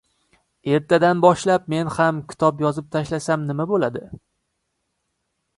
— Ertadan boshlab men ham kitob yozib tashlasam nima bo‘ladi?